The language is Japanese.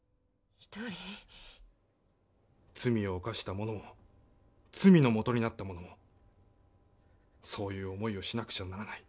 罪を犯した者も罪のもとになった者もそういう思いをしなくちゃならない。